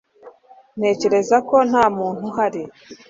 Ntekereza ko nta muntu uhari